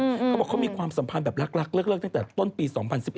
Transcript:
เขาบอกเขามีความสัมพันธ์แบบรักเลิกตั้งแต่ต้นปี๒๐๑๑